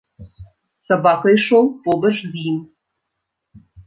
Сабака ішоў побач з ім.